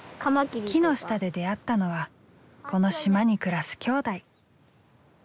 木の下で出会ったのはこの島に暮らす兄弟。